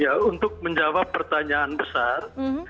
ya untuk menjawab pertanyaan besar